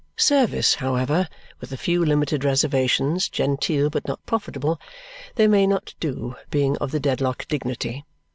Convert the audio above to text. Service, however (with a few limited reservations, genteel but not profitable), they may not do, being of the Dedlock dignity.